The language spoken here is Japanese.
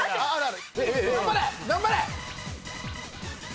頑張れ！